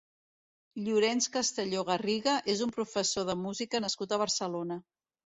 Llorenç Castelló Garriga és un professor de música nascut a Barcelona.